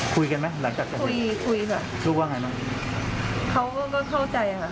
คุยกันไหมหลังจากคุยคุยค่ะลูกว่าไงบ้างเขาก็ก็เข้าใจค่ะ